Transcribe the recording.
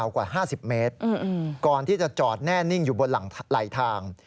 ก่อนที่จะจอดแน่นิ่งอยู่บนหลังไหลทาง